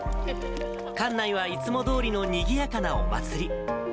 館内はいつもどおりのにぎやかなお祭り。